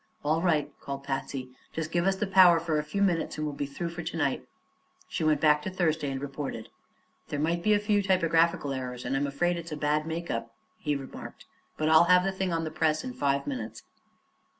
"All right," called Patsy; "just give us the power for a few minutes, and we'll be through for to night." She went back to Thursday and reported. "There may be a few typographical errors, and I'm afraid it's a bad make up," he remarked; "but I'll have the thing on the press in five minutes."